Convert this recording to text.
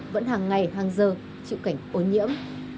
vẫn hàng ngày hàng giờ chịu cảnh ô nhiễm